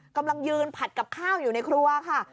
กำลังยืนผัดกับข้าวอยู่ในครัวค่ะ